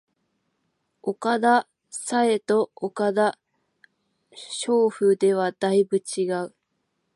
岡田紗佳と岡田彰布ではだいぶ違う